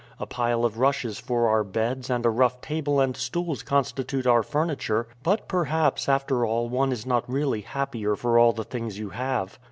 A pile of rushes for our beds and a rough table and stools constitute our furniture; but, perhaps, after all one is not really happier for all the things you have.